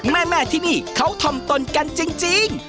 แม่ที่นี่เขาทำตนกันจริง